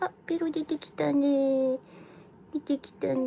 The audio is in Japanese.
出てきたね。